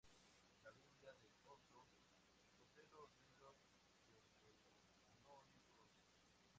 La "Biblia del Oso" posee los libros deuterocanónicos.